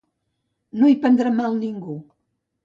No hi prendrà mal ningú.